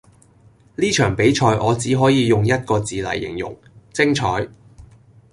呢場比賽我只可以用一個字黎形容,精采